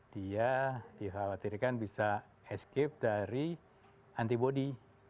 dia dikhawatirkan bisa escape dari antibody